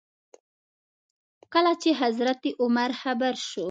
کله چې حضرت عمر خبر شو.